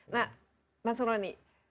nah mas roni